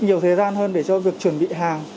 nhiều thời gian hơn để cho việc chuẩn bị hàng